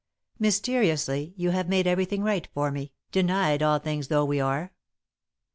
"Mysteriously you have made everything right for me, denied all things though we are.